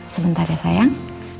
sebentar ya sayang